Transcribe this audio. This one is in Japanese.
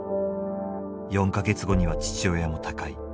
４か月後には父親も他界。